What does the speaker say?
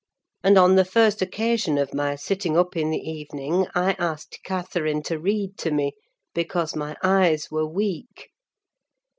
And on the first occasion of my sitting up in the evening I asked Catherine to read to me, because my eyes were weak.